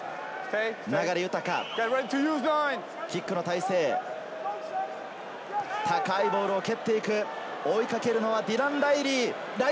流大、キックの体勢、高いボールを蹴っていく、追いかけるのはディラン・ライリー。